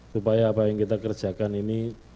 supaya apa yang kita kerjakan ini